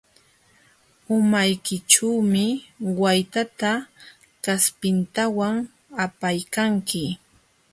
Umaykićhuumi waytata kaspintawan apaykanki.